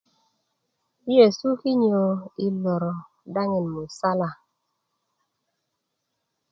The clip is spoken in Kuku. yi yesu kinyo yi lor daŋin musala